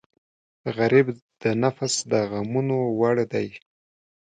غریب د نفس د غمونو وړ دی